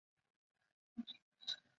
这个方法广泛用于甾类化学中。